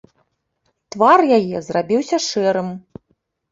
Твар яе зрабіўся шэрым.